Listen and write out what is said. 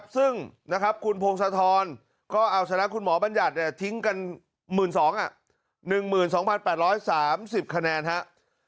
ซึ่งครับคุณภงศธรก็ใสหน้าคุณหมอบรรยัตน์ทิ้งกัน๑๒๘๓๐คะแนนครับ